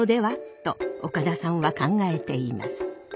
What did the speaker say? と岡田さんは考えています。